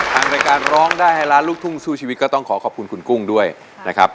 ทางรายการร้องได้ให้ล้านลูกทุ่งสู้ชีวิตก็ต้องขอขอบคุณคุณกุ้งด้วยนะครับ